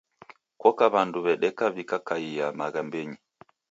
Kokala w'andu w'edeka w'ikikaia maghambenyi.